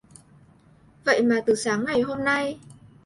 Vậy mà từ sáng ngày hôm nay